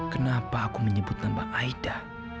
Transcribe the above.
kenapa aku menyebut tanpa aida